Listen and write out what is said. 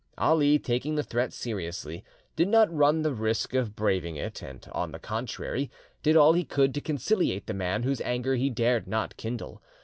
Ali taking the threat seriously; did not run the risk of braving it, and, on the contrary, did all he could to conciliate the man whose anger he dared not kindle.